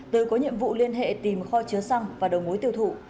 từ có nhiệm vụ liên hệ tìm kho chứa xăng và đầu mối tiêu thụ